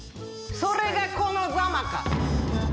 それがこのザマか！